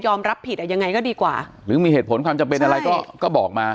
รับผิดอ่ะยังไงก็ดีกว่าหรือมีเหตุผลความจำเป็นอะไรก็ก็บอกมา